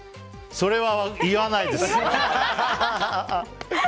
それは言わないです。